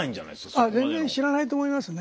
あっ全然知らないと思いますね。